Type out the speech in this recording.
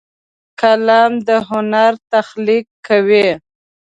قلم د هنر تخلیق کوي